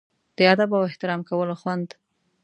د ادب او احترام کولو خوند.